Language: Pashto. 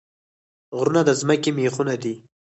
غرونه د ځمکې میخونه دي